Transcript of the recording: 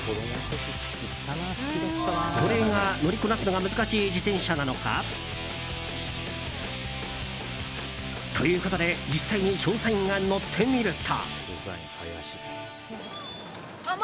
これが、乗りこなすのが難しい自転車なのか？ということで実際に調査員が乗ってみると。